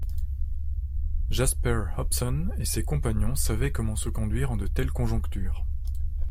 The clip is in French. Jasper Hobson et ses compagnons savaient comment se conduire en de telles conjonctures.